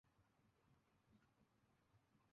তাদের থেকে লজ্জিত না হওয়া, পাপকাজে লিপ্ত হওয়ার চেয়ে কম নয়।